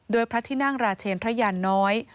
โดยพระที่นั่งราชเชนพระยาน้อย